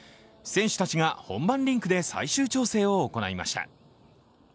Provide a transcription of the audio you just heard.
選手たちが本番リンクで最終調整を行いました。